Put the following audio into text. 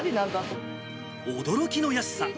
驚きの安さ。